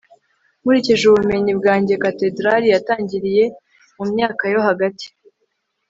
nkurikije ubumenyi bwanjye, katedrali yatangiriye mu myaka yo hagati